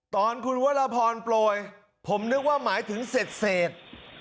ตอนคุณวรพรโปรยผมนึกว่าหมายถึงเสร็จ